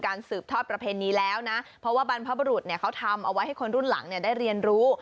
สืบทอดประเพณีแล้วนะเพราะว่าบรรพบรุษเขาทำเอาไว้ให้คนรุ่นหลังได้เรียนรู้